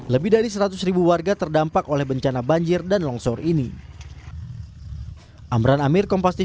lebih dari seratus ribu warga terdampak oleh bencana banjir dan longsor ini amran amir kompas